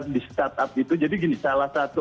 di startup itu jadi gini salah satu